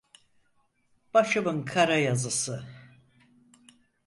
Başımın kara yazısı…